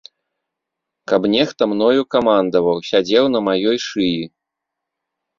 Каб нехта мною камандаваў, сядзеў на маёй шыі.